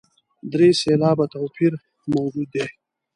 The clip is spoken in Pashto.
درې سېلابه توپیر موجود دی.